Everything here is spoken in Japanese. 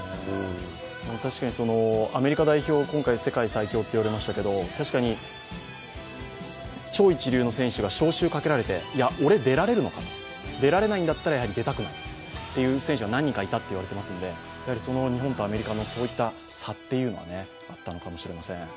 確かにアメリカ代表、今回世界最強と言われましたけれども、確かに、超一流の選手が招集かけられて、いや俺出られるのかと出られないんだったら、出たくないという選手が何人かいたということなので、その日本とアメリカのそういった差というのはあったのかもしれません。